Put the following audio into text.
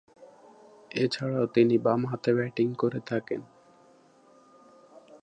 এছাড়াও, তিনি বামহাতে ব্যাটিং করে থাকেন।